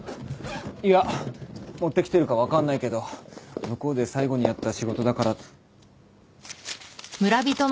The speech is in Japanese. いや持ってきてるか分かんないけど向こうで最後にやった仕事だから。